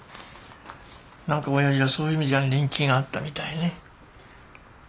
なんか親父はそういう意味じゃ人気があったみたいね。